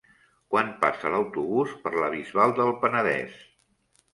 Quan passa l'autobús per la Bisbal del Penedès?